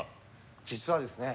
実はですね。